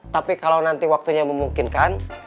tapi kalau nanti waktunya memungkinkan